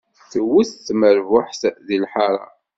Tewwet tmerbuḥt di lḥaṛa.